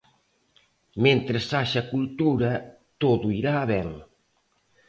Mentres haxa cultura todo irá ben.